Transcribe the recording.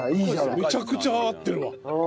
めちゃくちゃ合ってるわ。